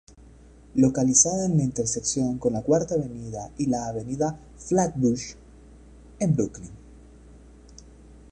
Localizada en la intersección con la Cuarta Avenida y la Avenida Flatbush en Brooklyn.